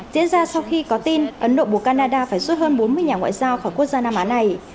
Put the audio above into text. diễn ra sau khi có tin ấn độ buộc canada phải rút hơn bốn mươi nhà ngoại giao khỏi quốc gia nam á này